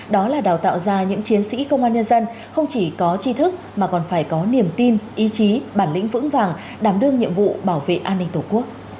đó là đào tạo ra những chiến sĩ công an nhân dân không chỉ có chi thức mà còn phải có niềm tin ý chí bản lĩnh vững vàng đảm đương nhiệm vụ bảo vệ an ninh tổ quốc